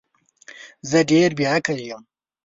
زه ډیر بی عقل یم